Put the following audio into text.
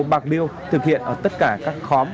bạc biêu thực hiện ở tất cả các khóm